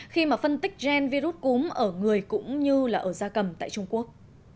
khi mà phân tích gen virus cúm ở người cũng như là ở da cầm tại trung quốc